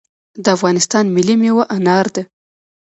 د افغانستان ملي میوه انار ده